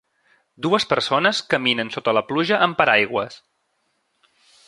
Dues persones caminen sota la pluja amb paraigües.